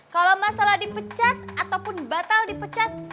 kalau masalah dipecat ataupun batal dipecat